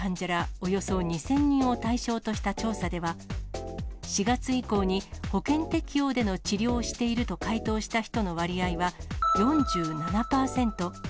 およそ２０００人を対象とした調査では、４月以降に保険適用での治療をしていると回答した人の割合は４７％。